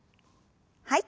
はい。